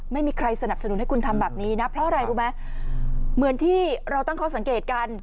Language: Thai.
ไม่มีใครสนับสนุนให้คุณทำแบบนี้นะเพราะอะไรรู้ไหมเหมือนที่เราตั้งข้อสังเกตกัน